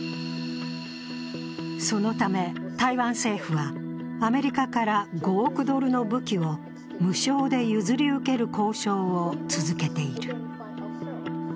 そのため台湾政府はアメリカから５億ドルの武器を無償で譲り受ける交渉を続けている。